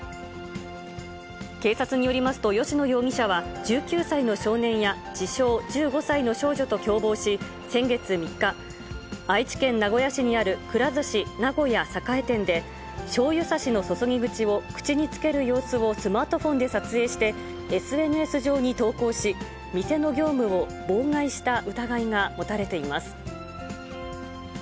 警察によりますと、吉野容疑者は、１９歳の少年や自称１５歳の少女と共謀し、先月３日、愛知県名古屋市にある、くら寿司名古屋栄店で、しょうゆさしの注ぎ口を口につける様子をスマートフォンで撮影して、ＳＮＳ上に投稿し、店の業務を妨害した疑いが持たれています。